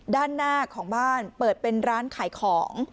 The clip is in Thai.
ด้านหน้าของบ้านเปิดเป็นร้านขายของ